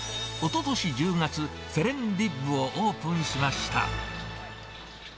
おととし１０月、セレンディッブをオープンしました。